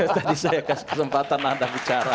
tadi saya kasih kesempatan anda bicara